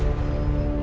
ya enggak apa apa